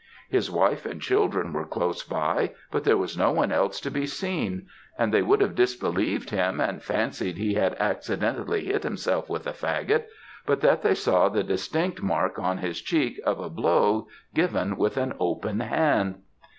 His wife and children were close by, but there was no one else to be seen; and they would have disbelieved him and fancied he had accidentally hit himself with the faggot, but that they saw the distinct mark on his cheek of a blow given with an open hand.